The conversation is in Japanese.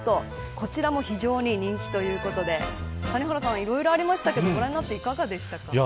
こちらも非常に人気ということで谷原さんいろいろありましたけどご覧になっていかがでしたか。